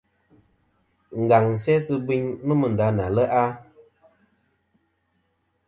Ngaŋ sesɨ biyn nômɨ nda na le'a.